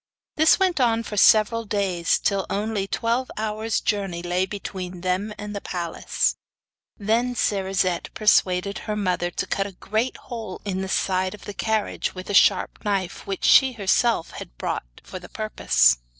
This went on for several days, till only twelve hours journey lay between them and the palace. The Cerisette persuaded her mother to cut a great hole in the side of the carriage with a sharp knife which she herself had brought for the purpose.